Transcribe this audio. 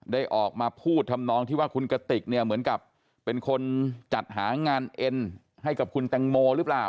ได้ออกมาพูดทำนองที่ว่าคุณกติกเนี่ยเหมือนกับเป็นคนจัดหางานเอ็นให้กับคุณแตงโมหรือเปล่า